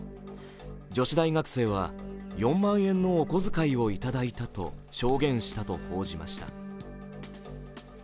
女子大学生は、４万円のお小遣いをいただいたと証言したと報じました。